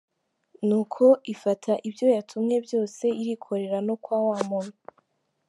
Nuko ifata ibyo yatumwe byose irikorera no kwa wa muntu.